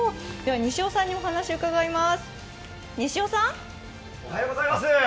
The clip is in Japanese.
西尾さんにお話を伺います。